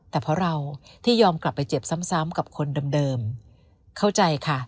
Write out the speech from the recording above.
แต่เพราะเราที่ยอมกลับไปเจ็บซ้ำกับคนเดิมเข้าใจค่ะ